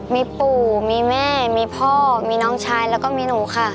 มีปู่มีแม่มีพ่อมีน้องชายแล้วก็มีหนูค่ะ